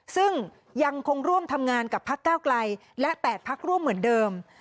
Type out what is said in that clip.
ซึ่งยังคงร่วมทำงานกับพักเก้าไกลและ๘พักร่วมเหมือนเดิม